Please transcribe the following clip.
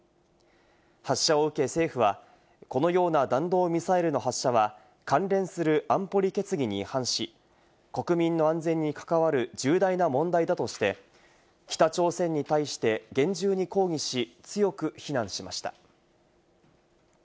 発射を受け政府は、このような弾道ミサイルの発射は、関連する安保理決議に違反し、国民の安全に関わる重大な問題だとして、北朝鮮に対して厳重に抗議し、強く非難しました。